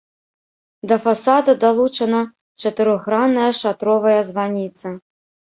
Да фасада далучана чатырохгранная шатровая званіца.